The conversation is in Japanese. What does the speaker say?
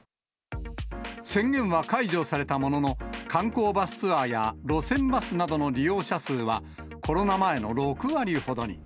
宣言は解除されたものの、観光バスツアーや路線バスなどの利用者数は、コロナ前の６割ほどに。